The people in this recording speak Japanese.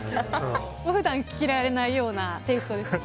普段着られないようなテイストですよね。